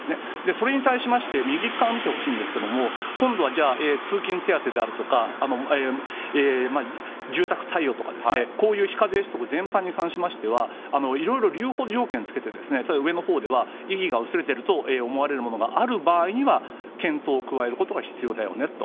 それに対しまして、右側を見てほしいんですけれども、今度はじゃあ、通勤手当であるとか、住宅貸与とかこういう非課税所得全般に関しましては、いろいろ留保条件をつけて、例えば上のほうでは意義が薄れてると思われるものがある場合には、検討を加えることが必要だよねと。